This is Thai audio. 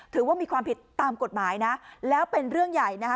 ถือว่ามีความผิดตามกฎหมายนะแล้วเป็นเรื่องใหญ่นะคะ